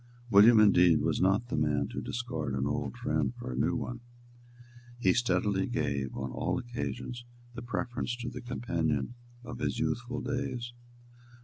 William, indeed, was not the man to discard an old friend for a new one. He steadily gave, on all occasions, the preference to the companion of his youthful days.